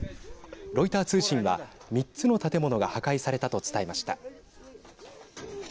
ロイター通信は３つの建物が破壊されたと伝えました。